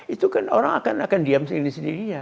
itu kan orang akan diam sendiri sendirinya